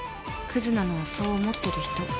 クズなのはそう思ってる人。